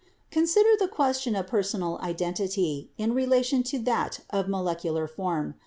"Consider the question of personal identity, in relation to that of molecular form.